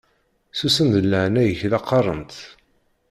Susem deg leɛnaya-k la qqaṛent!